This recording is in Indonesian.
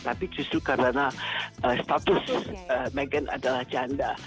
tapi justru karena status meghan adalah janda